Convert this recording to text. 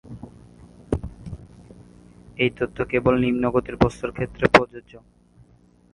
এই তত্ত্ব কেবল নিম্ন গতির বস্তুর ক্ষেত্রেই প্রযোজ্য।